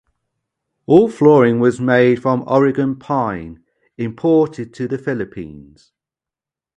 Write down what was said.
All flooring was made from Oregon pine, imported to the Philippines.